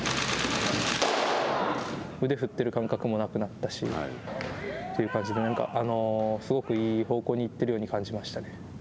腕振ってる感覚もなくなったしすごくいい方向にいってるように感じましたね。